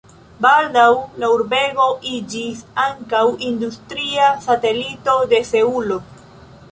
Baldaŭ la urbego iĝis ankaŭ industria satelito de Seulo.